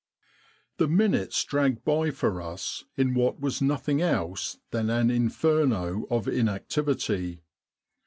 "The minutes dragged by for us in what was nothing else than an Inferno of inactivity.